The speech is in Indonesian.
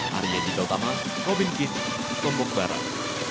hari yang diketahui robin kip lombok barat